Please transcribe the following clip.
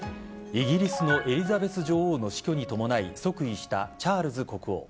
イギリスのエリザベス女王の死去に伴い即位したチャールズ国王。